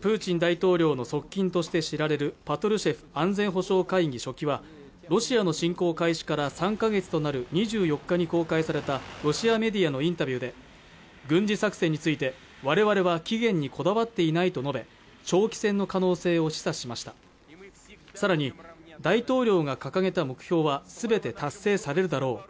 プーチン大統領の側近として知られるパトルシェフ安全保障会議書記はロシアの侵攻を開始から３か月となる２４日に公開されたロシアメディアのインタビューで軍事作戦について我々は期限にこだわっていないと述べ長期戦の可能性を示唆しましたさらに大統領が掲げた目標はすべて達成されるだろう